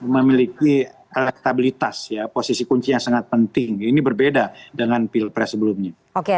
memiliki elektabilitas ya posisi kunci yang sangat penting ini berbeda dengan pilpres sebelumnya